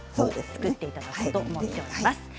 作っていただこうと思います。